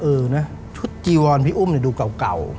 เออนะชุดจีวอนพี่อุ้มดูเก่า